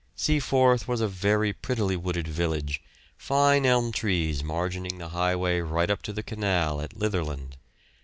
Seaforth was a very prettily wooded village, fine elm trees margining the highway right up to the canal at Litherland.